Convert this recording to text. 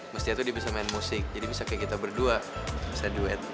mestinya tuh dia bisa main musik jadi bisa kayak kita berdua bisa duet